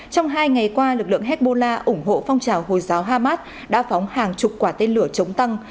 trong hai ngày qua lực lượng hezbollah ủng hộ phong trào hồi giáo hamas đã phóng hàng chục quả tên lửa chống tăng